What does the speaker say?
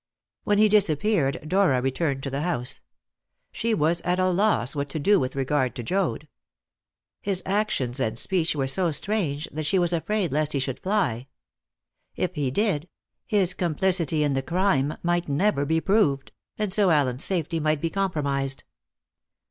When he disappeared Dora returned to the house. She was at a loss what to do with regard to Joad. His actions and speech were so strange that she was afraid lest he should fly. If he did, his complicity in the crime might never be proved, and so Allen's safety might be compromised.